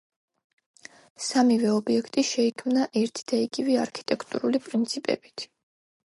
სამივე ობიექტი შეიქმნა ერთიდაიგივე არქიტექტურული პრინციპებით.